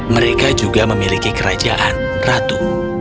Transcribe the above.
mereka juga memiliki kerajaan ratu